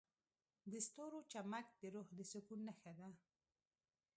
د ستورو چمک د روح د سکون نښه ده.